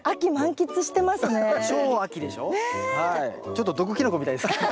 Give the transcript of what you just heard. ちょっと毒キノコみたいですけど。